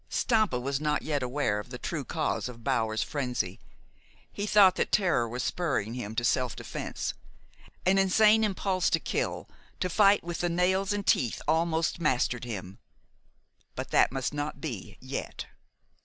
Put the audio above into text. Stampa was not yet aware of the true cause of Bower's frenzy. He thought that terror was spurring him to self defense. An insane impulse to kill, to fight with the nails and teeth, almost mastered him; but that must not be yet.